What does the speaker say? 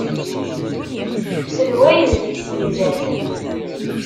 D wayen deg-s yellan.